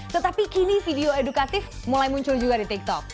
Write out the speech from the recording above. tetapi kini video edukatif mulai muncul juga di tiktok